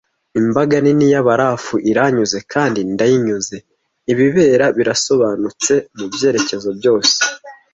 Imbaga nini ya barafu iranyuze kandi ndayinyuze, ibibera birasobanutse mubyerekezo byose,